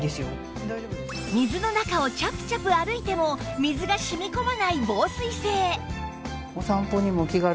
水の中をチャプチャプ歩いても水が染み込まない防水性